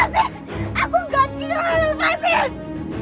lepasin aku gak gila lepasin